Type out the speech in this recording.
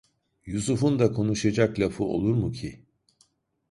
Yusuf'un da konuşacak lafı olur mu ki?